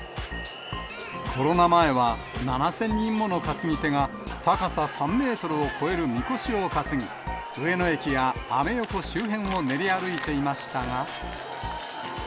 コロナ前は７０００人もの担ぎ手が、高さ３メートルを超えるみこしを担ぎ、上野駅やアメ横周辺を練り歩いていましたが。